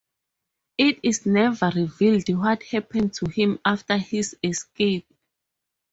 It is never revealed what happened to him after his escape.